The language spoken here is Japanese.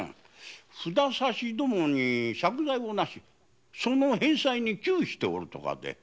札差しどもに借財をしその返済に窮しているとか。